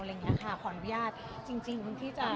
อะไรแบบนี้ค่ะขออนุญาตจริงที่จะ